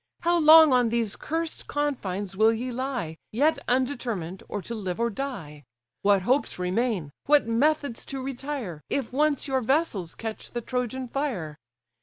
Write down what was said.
How long on these cursed confines will ye lie, Yet undetermined, or to live or die? What hopes remain, what methods to retire, If once your vessels catch the Trojan fire?